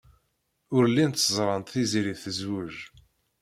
Ur llint ẓrant Tiziri tezwej.